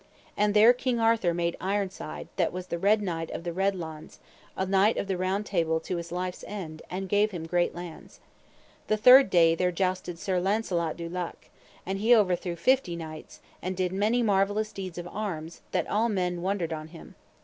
And there King Arthur made Ironside, that was the Red Knight of the Red Launds, a Knight of the Table Round to his life's end, and gave him great lands. The third day there jousted Sir Launcelot du Lake, and he overthrew fifty knights, and did many marvellous deeds of arms, that all men wondered on him.